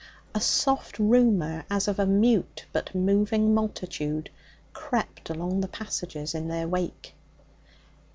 A soft rumour, as of a mute but moving multitude crept along the passages in their wake.